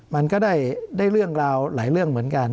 มันก็ได้เรื่องราวหลายเรื่องเหมือนกัน